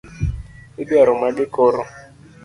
Idwaro mage koro?